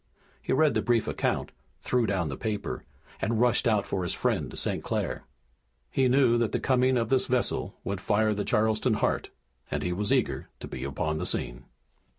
He read the brief account, threw down the paper and rushed out for his friend, St. Clair. He knew that the coming of this vessel would fire the Charleston heart, and he was eager to be upon the scene.